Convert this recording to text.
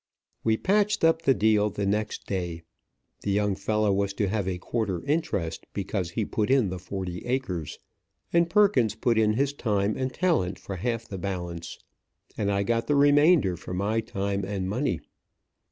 We patched up the deal the next day. The young fellow was to have a quarter interest, because he put in the forty acres, and Perkins put in his time and talent for half the balance; and I got the remainder for my time and money.